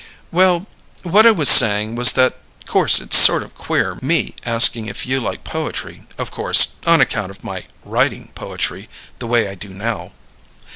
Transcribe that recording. "Well what I was saying was that 'course it's sort of queer me askin' if you liked poetry, of course, on account of my writing poetry the way I do now."